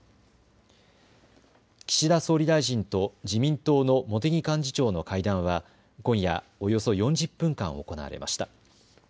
岸田総理大臣と自民党の茂木幹事長の会談は今夜およそ４０分間、行われました。